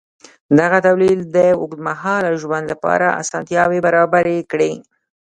دغه تولید د اوږدمهاله ژوند لپاره اسانتیاوې برابرې کړې.